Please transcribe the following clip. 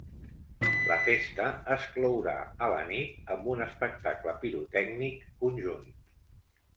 La festa es clourà a la nit amb un espectacle pirotècnic conjunt.